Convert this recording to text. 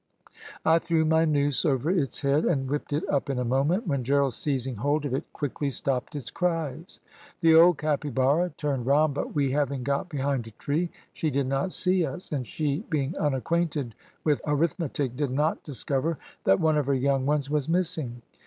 I threw my noose over its head, and whipped it up in a moment, when Gerald, seizing hold of it, quickly stopped its cries. The old capybara turned round, but we having got behind a tree, she did not see us, and she, being unacquainted with arithmetic, did not discover that one of her young ones was missing.